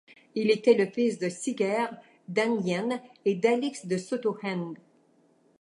Il était le fils de Siger d'Enghien et d'Alix de Sotteghen.